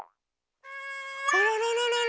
あららららら